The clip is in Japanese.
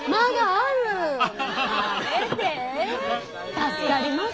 助かります。